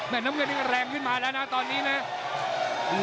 แม่น้ำเงินยังแรงวิ่นมาแล้วนะตอนนี้เนี่ย